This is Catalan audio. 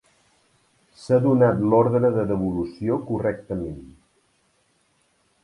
S'ha donat l'ordre de devolució correctament.